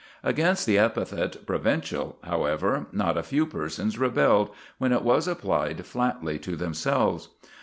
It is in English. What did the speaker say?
Against the epithet "provincial," however, not a few persons rebelled, when it was applied flatly to themselves.